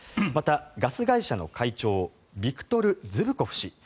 また、ガス会社の社長ビクトル・ズブコフ氏